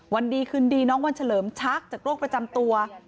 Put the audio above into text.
วันดีคืนดีน้องวันเฉลิมชักจากโรคประจำตัว